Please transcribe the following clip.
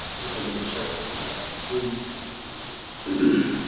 Mafuriko yalisababisha vifo vya watu kumi siku ya Jumapili